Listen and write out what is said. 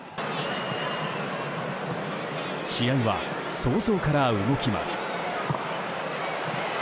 試合は早々から動きます。